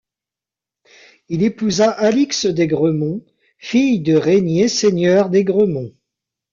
Il épousa Alix d'Aigremont, fille de Rénier seigneur d'Aigremont.